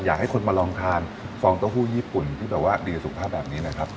อยากให้คนมาลองทานฟองเต้าหู้ญี่ปุ่นที่แบบว่าดีกับสุขภาพแบบนี้นะครับ